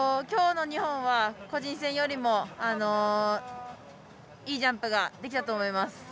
今日の２本は個人戦よりもいいジャンプができたと思います。